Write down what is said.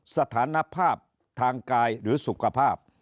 สถานภาพทางกายหรือสุขภาพ